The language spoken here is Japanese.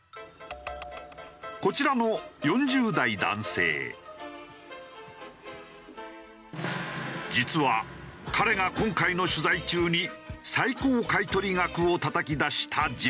こちらの実は彼が今回の取材中に最高買い取り額をたたき出した人物。